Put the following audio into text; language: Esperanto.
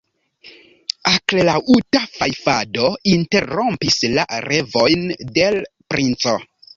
Akrelaŭta fajfado interrompis la revojn de l' princo.